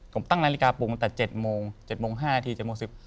ผมตั้งนาฬิกาปรุงตั้งแต่๗โมง๗โมง๕นาที๗โมง๑๐